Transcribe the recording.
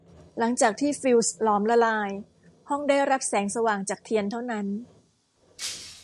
หลังจากที่ฟิวส์หลอมละลายห้องได้รับแสงสว่างจากเทียนเท่านั้น